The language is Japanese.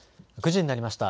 ９時になりました。